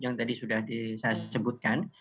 yang tadi sudah saya sebutkan